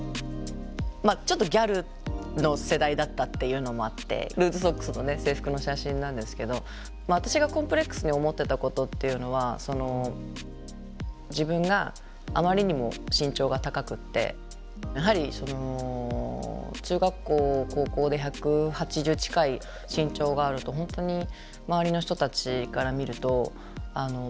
ちょっとギャルの世代だったっていうのもあってルーズソックスのね制服の写真なんですけど私がコンプレックスに思ってたことっていうのは自分があまりにも身長が高くってやはり中学校高校で１８０近い身長があると本当に周りの人たちから見ると異様に見えるんですよね。